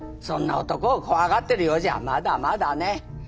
そんな男を怖がってるようじゃまだまだね。